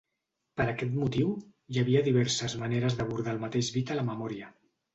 Per aquest motiu, hi havia diverses maneres d'abordar el mateix bit a la memòria.